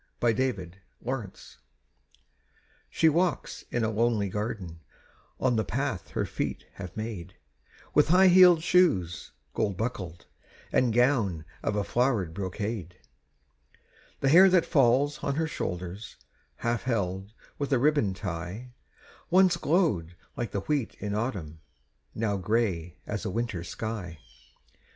THE OLD MAID She walks in a lonely garden On the path her feet have made, With high heeled shoes, gold buckled, And gown of a flowered brocade; The hair that falls on her shoulders, Half held with a ribbon tie, Once glowed like the wheat in autumn, Now grey as a winter sky.